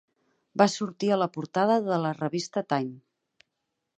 Va sortir a la portada de la revista 'Time'.